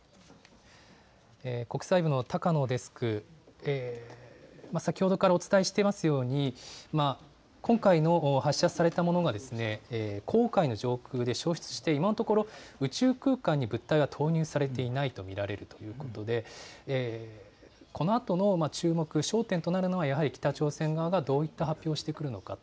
国際部の高野デスク、先ほどからお伝えしていますように、今回の発射されたものが黄海の上空で消失して、今のところ、宇宙空間に物体は投入されていないと見られるということで、このあとの注目、焦点となるのは、やはり北朝鮮側がどういった発表をしてくるのかと。